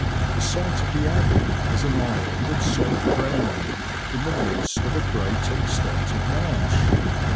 The site of the Abbey is an island of solid ground in the midst of a great extent of marsh.